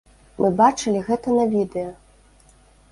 Мы бачылі гэта на відэа.